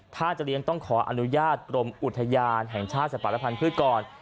ถ้าจะเลี้ยงต้องขออนุญาตกรมอุทยานแห่งชาติสัตว์และพันธุ์ก่อน